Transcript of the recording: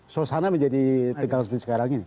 sosana menjadi tegang seperti sekarang ini